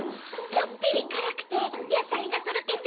ちょっぴりからくてやさいがとろけて